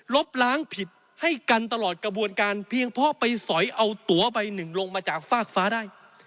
ล้างผิดให้กันตลอดกระบวนการเพียงเพราะไปสอยเอาตัวใบหนึ่งลงมาจากฟากฟ้าได้